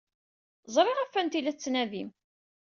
Ẓriɣ ɣef wanta ay la tettnadim.